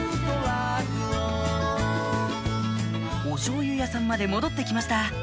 おしょうゆ屋さんまで戻って来ました